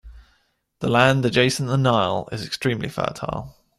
The land adjacent the Nile is extremely fertile